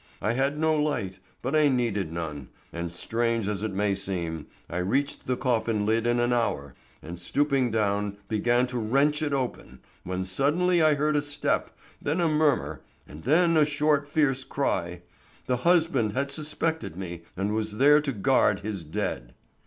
I had no light, but I needed none, and strange as it may seem, I reached the coffin lid in an hour, and stooping down began to wrench it open, when suddenly I heard a step, then a murmur and then a short, fierce cry. The husband had suspected me and was there to guard his dead.